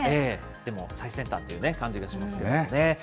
でも最先端というね、感じがしますよね。